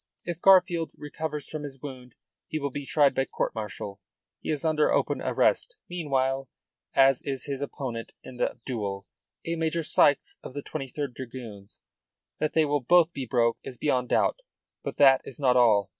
If Garfield recovers from his wound he will be tried by court martial. He is under open arrest meanwhile, as is his opponent in the duel a Major Sykes of the 23rd Dragoons. That they will both be broke is beyond doubt. But that is not all.